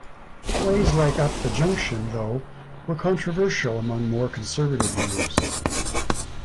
Plays like "Up the Junction" though were controversial among more conservative viewers.